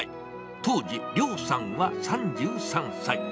当時、亮さんは３３歳。